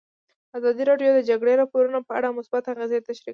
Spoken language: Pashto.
ازادي راډیو د د جګړې راپورونه په اړه مثبت اغېزې تشریح کړي.